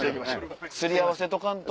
擦り合わせとかんと。